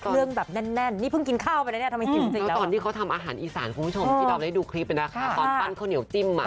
เรื่องแบบแน่นนี่เพิ่งกินข้าวไปเนี่ยทำไมกินจริงแล้ว